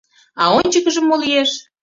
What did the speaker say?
А ончыкыжо мо лиеш?